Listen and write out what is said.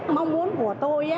mong muốn của tôi